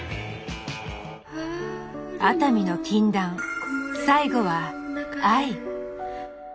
熱海の禁断最後は愛。